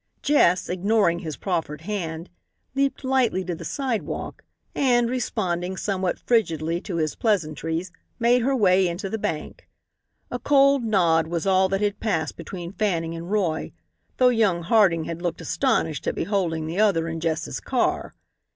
Jess, ignoring his proffered hand, leaped lightly to the sidewalk and, responding somewhat frigidly to his pleasantries, made her way into the bank. A cold nod was all that had passed between Fanning and Roy, though young Harding had looked astonished at beholding the other in Jess's car.